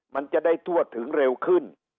มันจะได้ทั่วถึงเร็วขึ้น